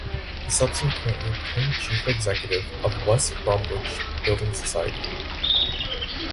He subsequently became chief executive of West Bromwich Building Society.